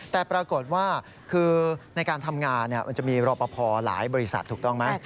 แต่ปรากฏว่าคือในการทำงานมันจะมีรอปภหลายบริษัทถูกต้องไหม